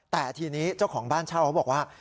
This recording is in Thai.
แต่ทีนี้เจ้าของบ้านเช่าเขาบอกว่า